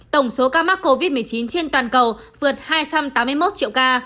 tổng số ca mắc covid một mươi chín trên toàn cầu vượt hai trăm tám mươi một triệu ca